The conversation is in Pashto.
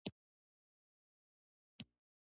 د دغه پیسو ډیره برخه بهرنیو هېوادونو ته لیږدول کیږي.